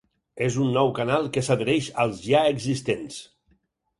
És un nou canal que s’adhereix als ja existents.